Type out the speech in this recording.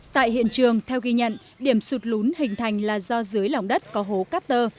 tại hiện trường theo ghi nhận điểm sụt lún hình thành là do dưới lòng đất có hố cát tơ